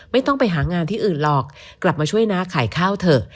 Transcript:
ไม่ต้องไปหางานที่อื่นหรอกกลับมาช่วยน้าขายข้าวเถอะ